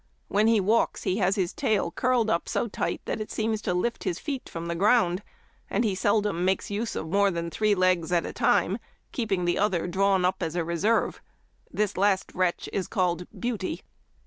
When he walks he has his tail curled up so tight that it seems to lift his feet from the ground ; and he seldom makes use of more than three legs at a time, keeping the other drawn up as a reserve. This last wretch is called Beauty.